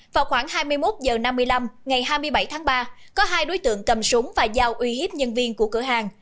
vào khoảng hai mươi một h năm mươi năm ngày hai mươi bảy tháng ba có hai đối tượng cầm súng và giao uy hiếp nhân viên của cửa hàng